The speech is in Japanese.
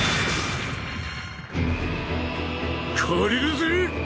借りるぜ！